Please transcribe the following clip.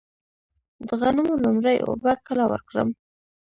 د غنمو لومړۍ اوبه کله ورکړم؟